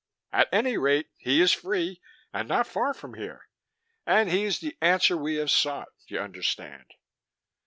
"At any rate, he is free and not far from here. And he is the answer we have sought, you understand."